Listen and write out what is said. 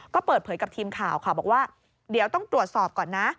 ก็เปิดเผยกับทีมข่าวค่ะบอกว่าเดี๋ยวต้องตรวจสอบก่อนนะ